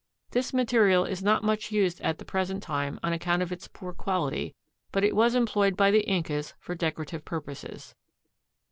This material is not much used at the present time on account of its poor quality but it was employed by the Incas for decorative purposes.